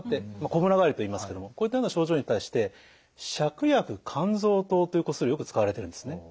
こむら返りといいますけどもこういったような症状に対して芍薬甘草湯というお薬よく使われてるんですね。